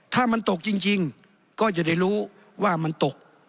ถ้ามันตกจริงก็จะได้รู้ว่ามันตก